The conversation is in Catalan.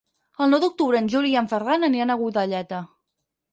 El nou d'octubre en Juli i en Ferran aniran a Godelleta.